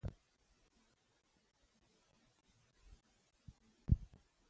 په افغانستان کې د کلتور لپاره طبیعي شرایط پوره مناسب او برابر دي.